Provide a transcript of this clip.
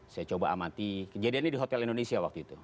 saya coba amati kejadiannya di hotel indonesia waktu itu